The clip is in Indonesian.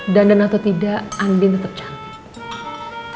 dan dan atau tidak andin tetep cantik